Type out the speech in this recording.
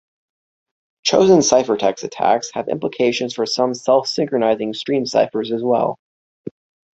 Chosen-ciphertext attacks have implications for some self-synchronizing stream ciphers as well.